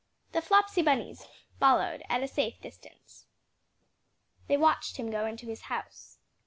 The Flopsy Bunnies followed at a safe distance. They watched him go into his house.